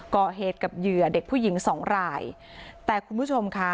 ก่อเหตุกับเหยื่อเด็กผู้หญิงสองรายแต่คุณผู้ชมค่ะ